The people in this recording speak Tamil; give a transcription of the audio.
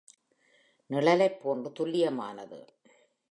நிழலைப்போன்று துல்லியமானது